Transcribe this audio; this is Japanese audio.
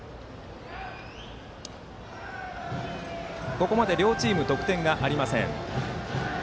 ここまで両チーム得点がありません。